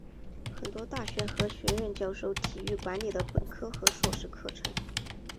很多大学和学院教授体育管理的本科和硕士课程。